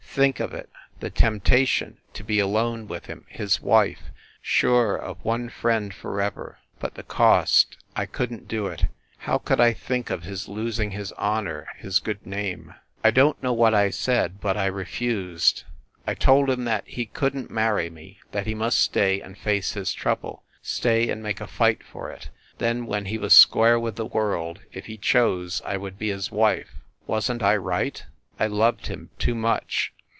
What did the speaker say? Think of it! The temptation to be alone with him his wife sure of one friend for ever! But the cost ! I couldn t do it ! How could I think of his losing* his honor, his good name SCHEFFEL HALL 35 I don t know what I said, but I refused. I told him that he couldn t marry me, that he must stay and face his trouble stay and make a fight for it then, when he was square with the world, if he chose, I would be his wife wasn t I right? I loved him too much